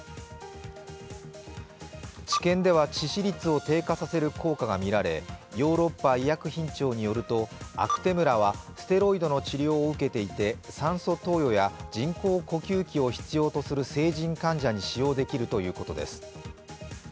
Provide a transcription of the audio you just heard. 治験では致死率を低下させる効果が見られヨーロッパ医薬品庁によるとアクテムラはステロイドの治療を受けていて酸素投与や人工呼吸器を必要とする成人患者に使用できるということです。